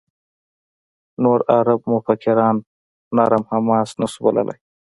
نور عرب مفکران «نرم حماس» نه شو بللای.